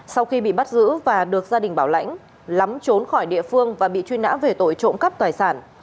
sau khi bị bắt giữ và được gia đình bảo lãnh lắm trốn khỏi địa phương và bị truy nã về tội trộm cắp tài sản